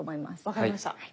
分かりました。